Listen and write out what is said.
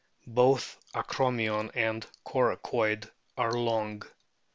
Both acromion and coracoid are long.